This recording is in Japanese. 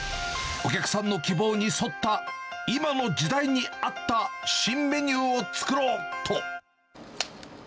お客さんの希望に沿った、今の時代に合った新メニューを作ろうと。